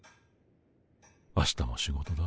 明日も仕事だ。